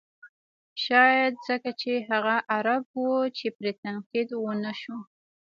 شاید ځکه چې هغه عرب و چې پرې تنقید و نه شو.